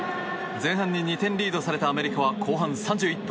前半に２点リードされたアメリカは後半３１分。